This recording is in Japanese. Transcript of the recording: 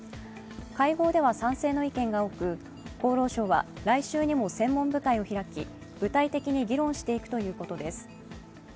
会合では賛成の意見が多く厚労省は来週にも専門部会を開き具体的に議論していくということです。